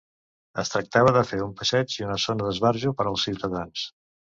Es tractava de fer un passeig i una zona d'esbarjo per als ciutadans.